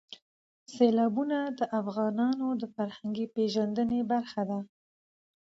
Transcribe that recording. سیلابونه د افغانانو د فرهنګي پیژندنې برخه ده.